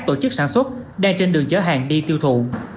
tổ chức sản xuất đang trên đường chở hàng đi tiêu thụ